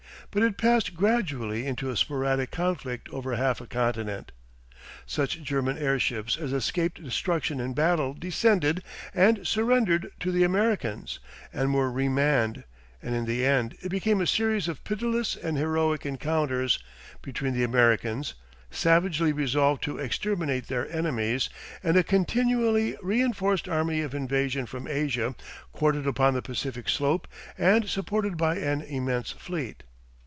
But it passed gradually into a sporadic conflict over half a continent. Such German airships as escaped destruction in battle descended and surrendered to the Americans, and were re manned, and in the end it became a series of pitiless and heroic encounters between the Americans, savagely resolved to exterminate their enemies, and a continually reinforced army of invasion from Asia quartered upon the Pacific slope and supported by an immense fleet.